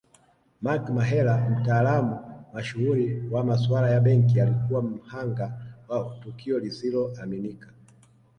Mark Mahela mtaalamu mashuhuri wa masuala ya benki alikuwa mhanga wa tukio lisiloaminika